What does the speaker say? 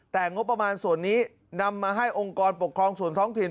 แต่งบประมาณส่วนนี้นำมาให้องค์กรปกครองส่วนท้องถิ่น